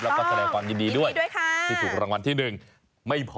แล้วก็แสดงความยินดีด้วยค่ะที่ถูกรางวัลที่๑ไม่พอ